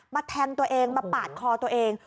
แทงตัวเองมาปาดคอตัวเอง